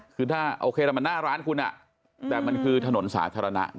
คือถ้าโอเคละมันหน้าร้านคุณแต่มันคือถนนสาธารณะ